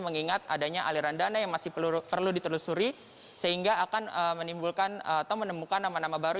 mengingat adanya aliran dana yang masih perlu ditelusuri sehingga akan menimbulkan atau menemukan nama nama baru